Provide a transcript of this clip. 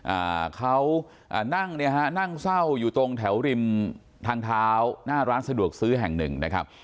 อ่าเขาอ่านั่งเนี่ยฮะนั่งเศร้าอยู่ตรงแถวริมทางเท้าหน้าร้านสะดวกซื้อแห่งหนึ่งนะครับ